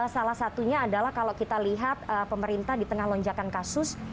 salah satunya adalah kalau kita lihat pemerintah di tengah lonjakan kasus